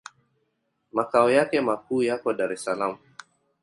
Makao yake makuu yako Dar es Salaam.